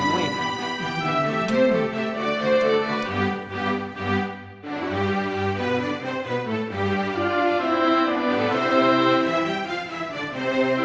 มันยังไหวสิครับ